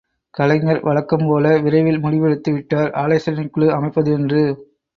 கலைஞர் வழக்கம் போல விரைவில் முடிவெடுத்து விட்டார் ஆலோசனைக் குழு அமைப்பது என்று!